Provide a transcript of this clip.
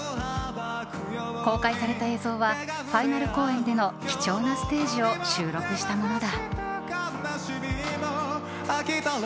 公開された映像はファイナル公演での貴重なステージを収録したものだ。